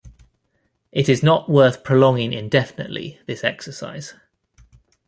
It is not worth prolonging indefinitely this exercise.